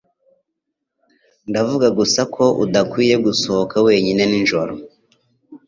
Ndavuga gusa ko udakwiye gusohoka wenyine nijoro.